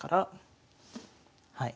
はい。